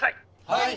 はい！